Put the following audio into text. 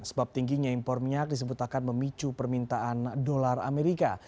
sebab tingginya impor minyak disebut akan memicu permintaan dolar amerika